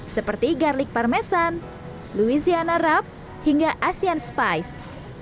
seperti garlic parmesan louisiana wrap hingga asian spice